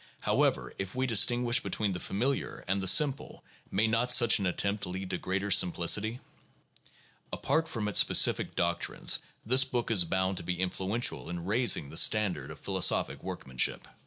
However, if we distinguish between the familiar and the simple, may not such an attempt lead to greater simplicity ? Apart from its specific doctrines this book is bound to be influen tial in raising the standard of philosophic workmanship.